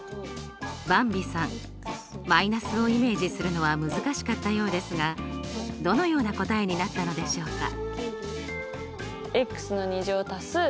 ばんびさん−をイメージするのは難しかったようですがどのような答えになったのでしょうか？